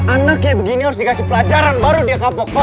anak kayak begini harus dikasih pelajaran baru dia kapok kok